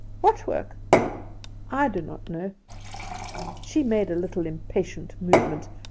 "What work?" "I do not know." She made a little impatient movement.